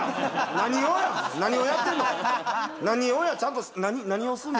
何をやってんの？